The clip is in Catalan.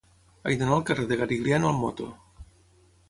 He d'anar al carrer de Garigliano amb moto.